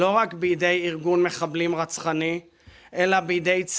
untuk mengembangkan kita roh kita kebenaran kita